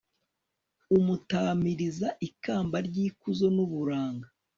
umutamiriza ikamba ry'ikuzo n'uburanga